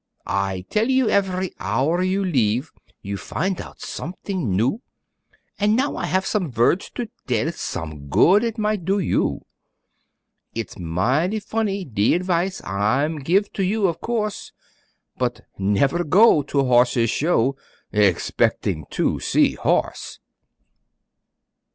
I tell you every hour you leeve, You fin' out som't'ing new; An' now I haf' som' vords to tell, Som' good it might do you; It's mighty fonny, de advise I'm geeve to you, of course, But never go to Horses Show Expecting to see horse.